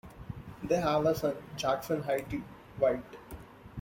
They have a son Jackson Hyde-White.